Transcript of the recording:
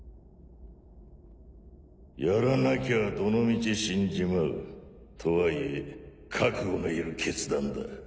やらなきゃどのみち死んじまう。とはいえ覚悟のいる決断だ。